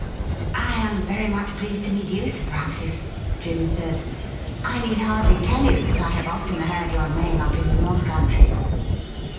' I am very much pleased to meet you, Sir Francis,' Jim said. ' I need hardly tell you that I have often heard your name up in the North Country.'